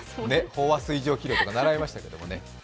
飽和水蒸気量とか習いましたけどね。